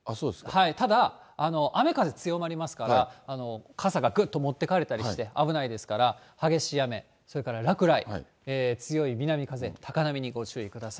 ただ、雨風強まりますから、傘がぐっと持っていかれたりして危ないですから、激しい雨、落雷、強い南風、高波にご注意ください。